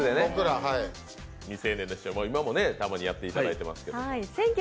未成年の主張、今もたまにやっていただいていますけれども。